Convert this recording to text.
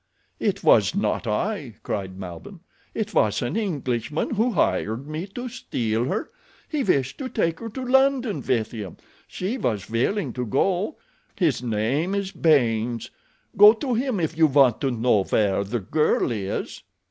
"It was not I," cried Malbihn. "It was an Englishman who hired me to steal her. He wished to take her to London with him. She was willing to go. His name is Baynes. Go to him, if you want to know where the girl is."